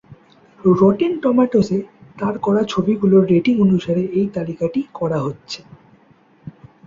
Rotten টম্যাটোস-এ তার করা ছবিগুলোর রেটিং অনুসারে এই তালিকাটি করা হচ্ছে।